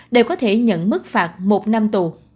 đều có thể nhận mức phạt một năm tù